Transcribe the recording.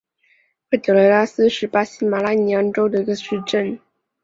佩德雷拉斯是巴西马拉尼昂州的一个市镇。